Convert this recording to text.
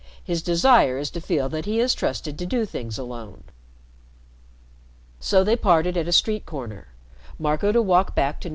His desire is to feel that he is trusted to do things alone." So they parted at a street corner, Marco to walk back to No.